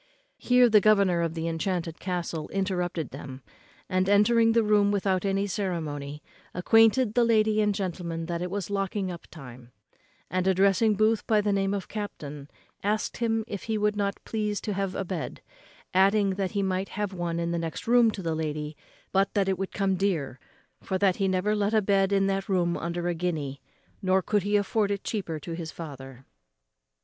Here the governor of the enchanted castle interrupted them, and, entering the room without any ceremony, acquainted the lady and gentleman that it was locking up time; and, addressing Booth by the name of captain, asked him if he would not please to have a bed; adding, that he might have one in the next room to the lady, but that it would come dear; for that he never let a bed in that room under a guinea, nor could he afford it cheaper to his father.